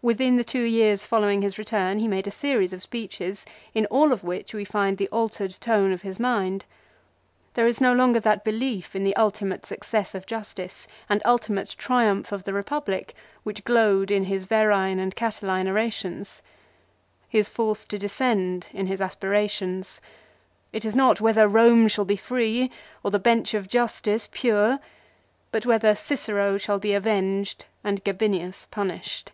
Within the two years following his return he made a series of speeches, in all of which we find the altered tone of his mind. There is no longer that belief in the ultimate success of jus tice, and ultimate triumph of the Republic which glowed in his Verrine and Catiline orations. He is forced to descend in his aspirations. It is not whether Eome shall be free, or the bench of justice pure ; but whether Cicero shall be avenged and Gabinius punished.